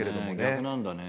逆なんだね。